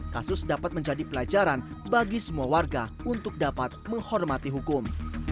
kasus dapat menjadi pelajaran bagi semua warga untuk dapat menghormati hukum